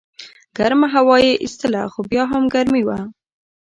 ګرمه هوا یې ایستله خو بیا هم ګرمي وه.